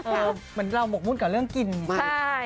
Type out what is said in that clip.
เหมือนเรามกมุ่นกับเรื่องกินนี่